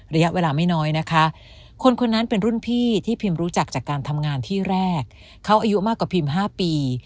ระยะเวลาไม่น้อยนะคะคนคนนั้นเป็นรุ่นพี่ที่พิมรู้จักจากการทำงานที่แรกเขาอายุมากกว่าพิม๕ปี